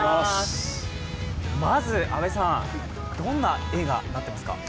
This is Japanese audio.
まず阿部さん、どんな映画になってますか？